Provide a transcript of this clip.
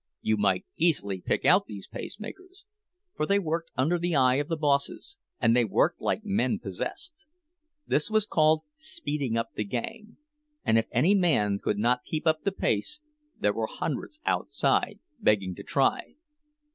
You might easily pick out these pacemakers, for they worked under the eye of the bosses, and they worked like men possessed. This was called "speeding up the gang," and if any man could not keep up with the pace, there were hundreds outside begging to try.